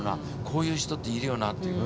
こういう人っているよなっていう。